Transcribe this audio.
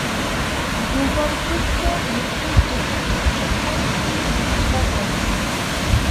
ভূগর্ভস্থ মেট্রো স্টেশনটি চেন্নাই মেট্রোর সবুজ লাইনের অংশ।